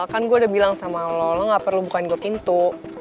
vel kan gue udah bilang sama lo lo gak perlu bukain gue pintu